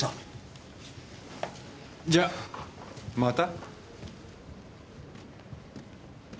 じゃまた。